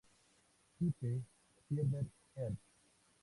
Type: "Sieber Herb.